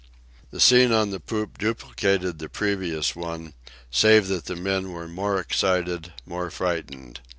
The scene on the poop duplicated the previous one, save that the men were more excited, more frightened.